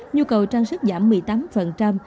nhu cầu trang sức giảm một mươi tám